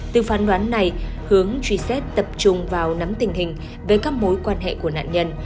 từ phán đoán này hướng truy xét tập trung vào nắm tình hình về các mối quan hệ của nạn nhân